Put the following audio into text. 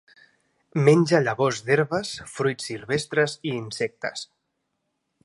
Menja llavors d'herbes, fruits silvestres i insectes.